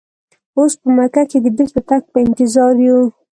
اوس په مکه کې د بیرته تګ په انتظار یو.